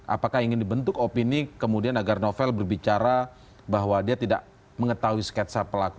apakah ingin dibentuk opini kemudian agar novel berbicara bahwa dia tidak mengetahui sketsa pelaku